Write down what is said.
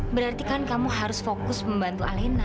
berarti kan kamu harus fokus membantu alena